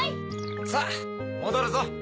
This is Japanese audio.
さぁもどるぞ。